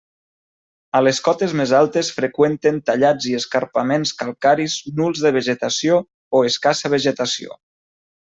A les cotes més altes freqüenten tallats i escarpaments calcaris nuls de vegetació o escassa vegetació.